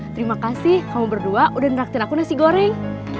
terima kasih kamu berdua udah neraktir aku nasi goreng